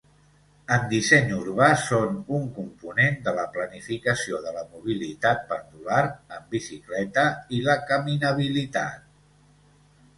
En disseny urbà, són un component de la planificació de la mobilitat pendular en bicicleta i la caminabilitat.